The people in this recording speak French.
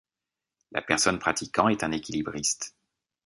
La personne pratiquant est un équilibriste.